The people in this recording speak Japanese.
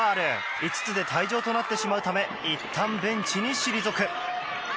５つで退場となってしまうためいったんベンチに退く。